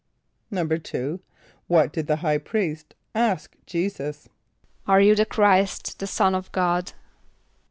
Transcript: = =2.= What did the high priest ask J[=e]´[s+]us? ="Are you the Chr[=i]st, the Son of God?"